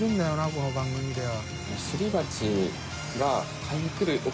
この番組では。